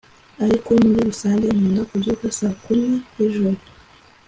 ariko muri rusange nkunda kubyuka saa kumi z’ijoro